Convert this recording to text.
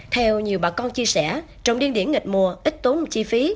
theo nhiều bà con chia sẻ trồng điên điển nghịch mùa ít tốn chi phí